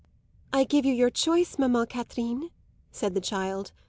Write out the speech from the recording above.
"I give you your choice, mamman Catherine," said the child.